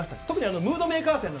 特にムードメーカー